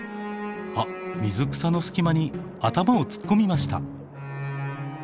あっ水草の隙間に頭を突っ込みました。